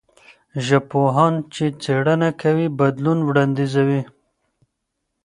ژبپوهان چې څېړنه کوي، بدلون وړاندیزوي.